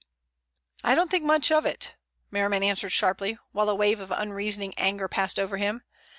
"I don't think much of it," Merriman answered sharply, while a wave of unreasoning anger passed over him.